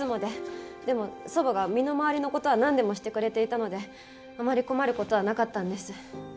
でも祖母が身の回りの事はなんでもしてくれていたのであまり困る事はなかったんです。